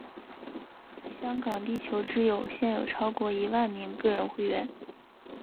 香港地球之友现有超过一万名个人会员。